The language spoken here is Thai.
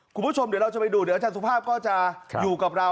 คุณผู้ชมเดี๋ยวเราจะไปดูเดี๋ยวอาจารย์สุภาพก็จะอยู่กับเรา